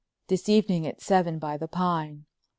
This evening at seven by the pine.